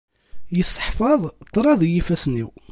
Isseḥfaḍ ṭṭrad i yifassen-iw.